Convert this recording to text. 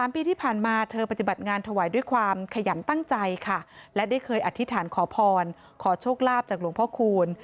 ปีที่ผ่านมาเธอปฏิบัติงานถวายด้วยความขยันตั้งใจค่ะและได้เคยอธิษฐานขอพรขอโชคลาภจากหลวงพ่อคูณ